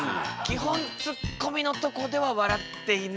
基本ツッコミのとこでは笑っていないという。